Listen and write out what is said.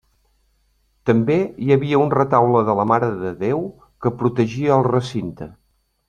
També hi havia un retaule de la Mare de Déu que protegia el recinte.